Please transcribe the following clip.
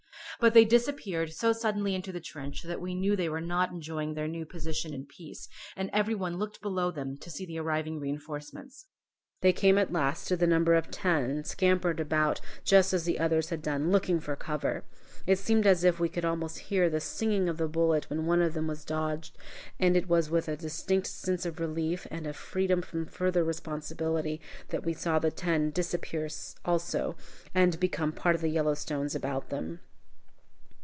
But they disappeared so suddenly into the trench, that we knew they were not enjoying their new position in peace, and every one looked below them, to see the arriving reinforcements. They came at last, to the number of ten, and scampered about just as the others had done, looking for cover. It seemed as if we could almost hear the singing of the bullet when one of them dodged, and it was with a distinct sense of relief, and of freedom from further responsibility, that we saw the ten disappear also, and become part of the yellow stones about them.